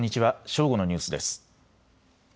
正午のニュースです。